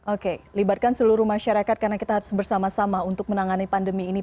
oke libatkan seluruh masyarakat karena kita harus bersama sama untuk menangani pandemi ini